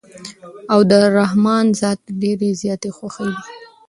او د رحمن ذات ډېرې زياتي خوښې دي